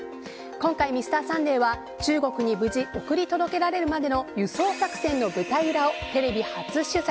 今回「Ｍｒ．サンデー」は中国に無事、送り届けられるまでの輸送作戦の舞台裏をテレビ初取材。